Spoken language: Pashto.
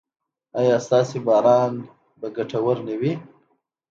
ایا ستاسو باران به ګټور نه وي؟